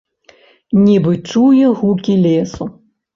Нібы чуе гукі лесу.